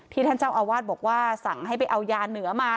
ท่านเจ้าอาวาสบอกว่าสั่งให้ไปเอายาเหนือมา